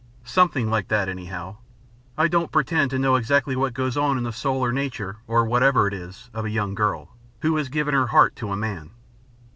Something like that, anyhow. I don't pretend to know exactly what goes on in the soul or nature, or whatever it is, of a young girl, who has given her heart to a man.